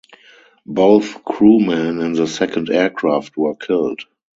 Both crewmen in the second aircraft were killed.